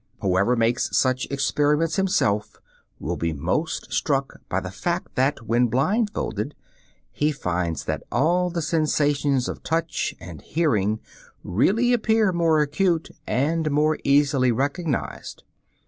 Whoever makes such experiments himself will be most struck by the fact that, when blindfolded, he finds that all the sensations of touch and hearing really appear more acute and more easily recognized.